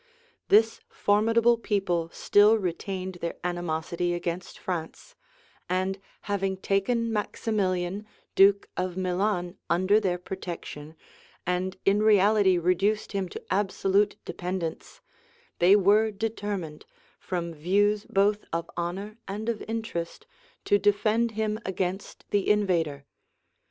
This formidable people still retained their animosity against France; and having taken Maximilian, duke of Milan, under their protection, and in reality reduced him to absolute dependence, they were determined, from views both of honor and of interest, to defend him against the invader.